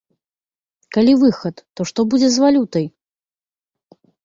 Калі выхад, то што будзе з валютай?